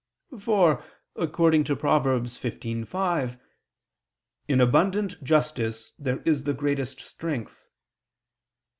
For, according to Prov. 15:5, "In abundant justice there is the greatest strength."